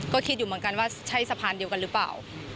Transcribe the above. ก็คิดอยู่เหมือนกันว่าใช่สะพานเดียวกันหรือเปล่า